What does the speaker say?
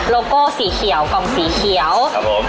โก้สีเขียวกล่องสีเขียวครับผม